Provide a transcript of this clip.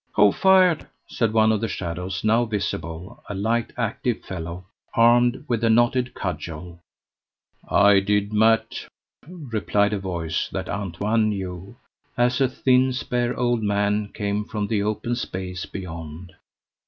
"Who fired?" said one of the shadows, now visible a light active fellow, armed with a knotted cudgel. "I did, Mat," replied a voice that Antoine knew, as a thin spare old man came from the open space beyond.